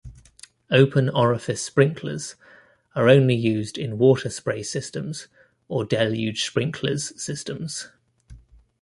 Open orifice sprinklers are only used in water spray systems or deluge sprinklers systems.